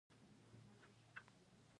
لعل د افغان ځوانانو د هیلو استازیتوب کوي.